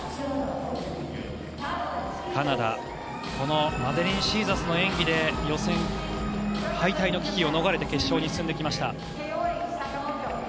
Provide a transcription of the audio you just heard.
カナダこのマデリン・シーザスの演技で予選敗退の危機を逃れて決勝に進んできました。